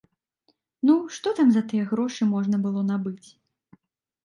Ну, што там за тыя грошы можна было набыць?